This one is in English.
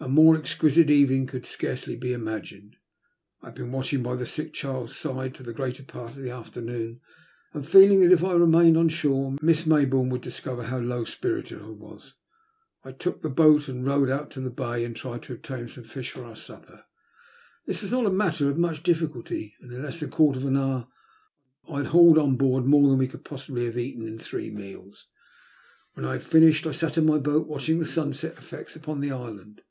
A more exquisite evening could scarcely be imagined. I had been watching by the sick child's side the greater part of the afternoon, and feeling that, if I remained on shore, Miss Mayboume would discover how low spirited I was, I took the boat and rowed out into the bay, to try and obtain some fish for our supper. This was not a matter of much difficulty, and in less than a quarter of an hour I had hauled on board more than we could possibly have eaten in three meals. When I had finished, I sat in my boat watching the sunset effects upon the island.